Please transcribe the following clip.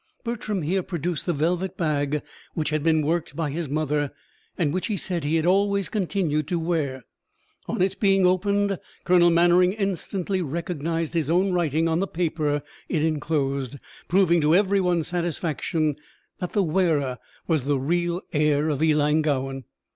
Bertram here produced the velvet bag which had been worked by his mother, and which he said he had always continued to wear. On its being opened, Colonel Mannering instantly recognised his own writing on the paper it enclosed, proving to everyone's satisfaction that the wearer was the real heir of Ellangowan.